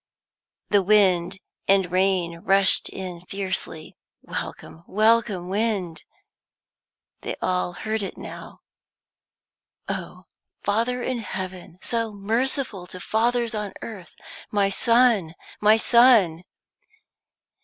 The wind and rain rushed in fiercely. Welcome, welcome wind! They all heard it now. "Oh, Father in heaven, so merciful to fathers on earth my son, my son!"